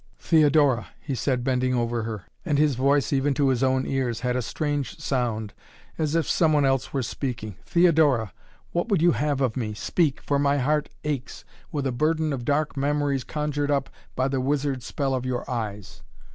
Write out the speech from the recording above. "Theodora!" he said, bending over her, and his voice, even to his own ears had a strange sound, as if some one else were speaking. "Theodora! What would you have of me? Speak! For my heart aches with a burden of dark memories conjured up by the wizard spell of your eyes!"